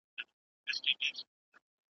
¬ پردى غم، نيم اختر دئ.